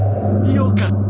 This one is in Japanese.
よかった。